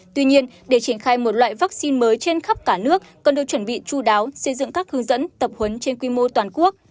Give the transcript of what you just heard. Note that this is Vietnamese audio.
tuy nhiên để triển khai một loại vaccine mới trên khắp cả nước cần được chuẩn bị chú đáo xây dựng các hướng dẫn tập huấn trên quy mô toàn quốc